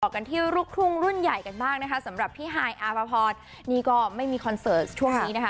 กันที่ลูกทุ่งรุ่นใหญ่กันบ้างนะคะสำหรับพี่ฮายอาภพรนี่ก็ไม่มีคอนเสิร์ตช่วงนี้นะคะ